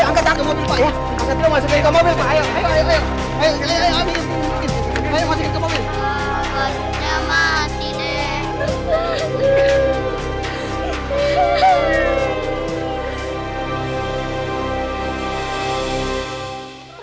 angkat tangan masuk ke mobil pak